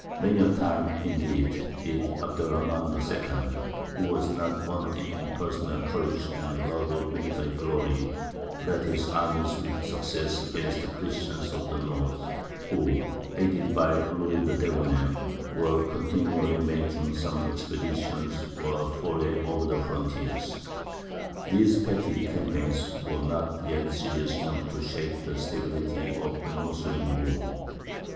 Many a time, indeed, did Abd er Rahmān II., who was not wanting in personal courage and love of military glory, lead his armies with success against the Christians of the north, who, aided by Louis the Debonnaire, were continually making some expedition or foray over the frontiers. These petty campaigns were not yet serious enough to shake the stability of the Moslem rule.